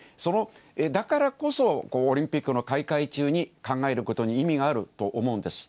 だからこそ、オリンピックの開会中に、考えることに意味があると思うんです。